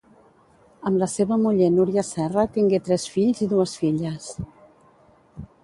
Amb la seva muller Núria Serra tingué tres fills i dues filles.